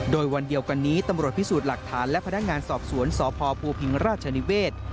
โดยวันเดียวกันนี้ตำรวจพิสูจน์หลักฐานและพนักงานสอบสวนสพภูพิงราชนิเวศ